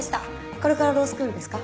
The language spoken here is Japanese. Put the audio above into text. これからロースクールですか？